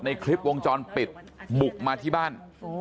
ในคลิปวงจรปิดบุกมาที่บ้าน